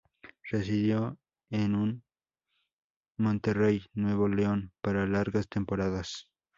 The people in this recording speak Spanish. Residió en en Monterrey, Nuevo León, por largas temporadas.